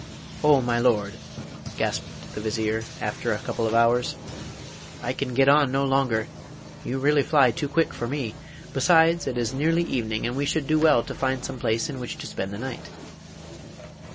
'Oh, my Lord!' gasped the Vizier, after a couple of hours, 'I can get on no longer; you really fly too quick for me. Besides, it is nearly evening, and we should do well to find some place in which to spend the night.